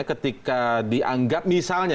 ketika dianggap misalnya